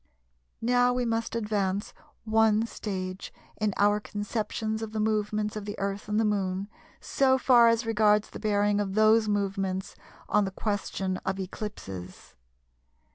] Now we must advance one stage in our conceptions of the movements of the Earth and the Moon, so far as regards the bearing of those movements on the question of eclipses.